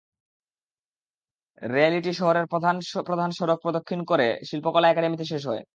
র্যা লিটি শহরের প্রধান প্রধান সড়ক প্রদক্ষিণ করে শিল্পকলা একাডেমিতে শেষ হয়।